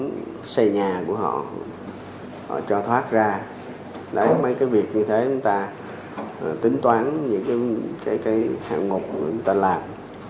họ muốn xây nhà của họ họ cho thoát ra đấy mấy cái việc như thế chúng ta tính toán những cái hạng mục mà chúng ta làm